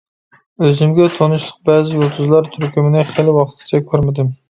ئۆزۈمگە تونۇشلۇق بەزى يۇلتۇزلار تۈركۈمىنى خېلى ۋاقىتقىچە كۆرمىدىم.